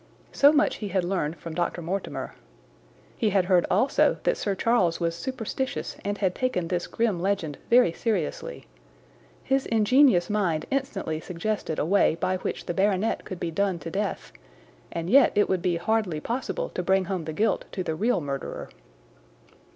So much he had learned from Dr. Mortimer. He had heard also that Sir Charles was superstitious and had taken this grim legend very seriously. His ingenious mind instantly suggested a way by which the baronet could be done to death, and yet it would be hardly possible to bring home the guilt to the real murderer.